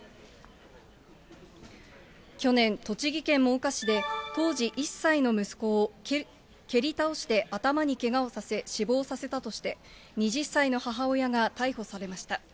去年、栃木県真岡市で、当時１歳の息子を蹴り倒して頭にけがをさせ死亡させたとして、２０歳の母親が逮捕されました。